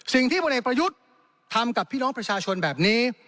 พลเอกประยุทธ์ทำกับพี่น้องประชาชนแบบนี้